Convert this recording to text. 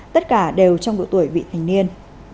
tất cả đều trong độ tuổi vị thành niên